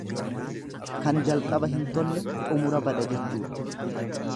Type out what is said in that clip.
Kan jalqaba hin tolle xumura bada jechuudha.